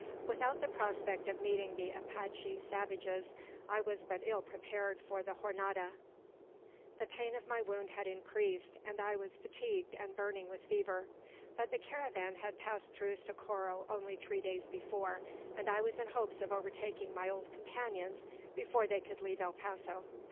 Without the prospect of meeting the Apache savages, I was but ill prepared for the Jornada. The pain of my wound had increased, and I was fatigued and burning with fever. But the caravan had passed through Socorro only three days before, and I was in hopes of overtaking my old companions before they could leave El Paso.